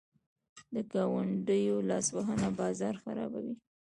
د ګاونډیو لاسوهنه بازار خرابوي.